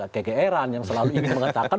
kekeeran yang selalu ingin mengatakan